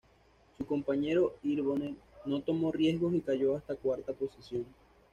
Su compañero Hirvonen no tomó riesgos y cayó hasta la cuarta posición.